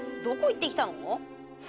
どこ行ってきたの？